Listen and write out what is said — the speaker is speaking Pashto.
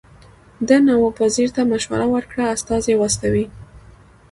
ده نواب وزیر ته مشوره ورکړه استازي واستوي.